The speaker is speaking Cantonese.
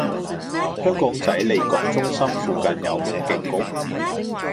香港仔利港中心附近有無警局？